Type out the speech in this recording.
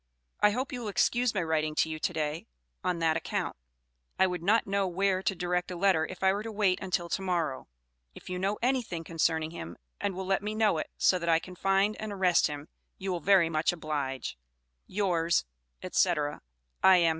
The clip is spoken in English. I hope you will excuse my writing to you to day, on that account. I would not know where to direct a letter if I were to wait until to morrow. If you know anything concerning him and will let me know it, so that I can find and arrest him, you will very much oblige Yours, &c., I.M.